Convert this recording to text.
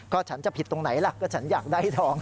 ก็ฉันจะผิดตรงไหนล่ะก็ฉันอยากได้ทอง